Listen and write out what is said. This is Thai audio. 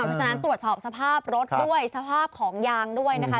เพราะฉะนั้นตรวจสอบสภาพรถด้วยสภาพของยางด้วยนะคะ